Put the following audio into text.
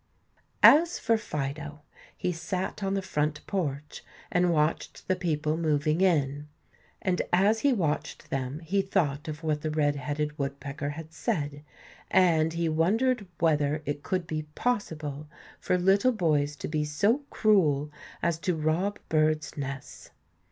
As for Fido, he sat on the front porch and watched the people moving in. And as he watched them he thought of what the redheaded woodpecker had said, and he wondered whether it could be possible for little boys to be so cruel as to rob birds' nests.